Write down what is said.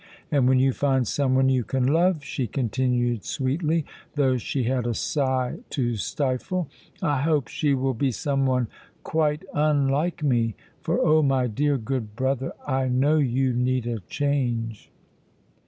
And when you find someone you can love," she continued sweetly, though she had a sigh to stifle, "I hope she will be someone quite unlike me, for oh, my dear, good brother, I know you need a change."